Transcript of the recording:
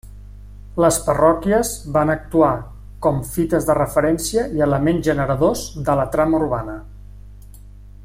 Les parròquies van actuar com fites de referència i elements generadors de la trama urbana.